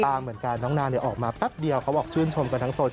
เวลาเขาเล่นเขาก็เล่นหนักเหมือนกันนะพี่นิ้ว๐